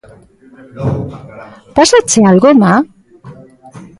_¿Pásache algo, ma?